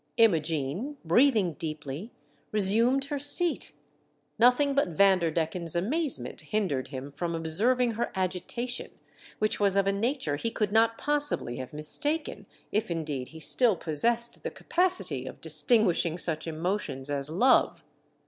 Imogene, breathing deeply, resumed her seat ; nothing but Vanderdecken's amazement hindered him from observing her agitation, which was of a nature he could not possibly have mistaken, if indeed he still possessed the capacity of distinguishing such emotions as love.